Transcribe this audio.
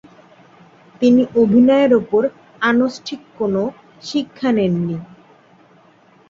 তিনি অভিনয়ের উপর আনুষ্ঠানিক কোন শিক্ষা নেন নি।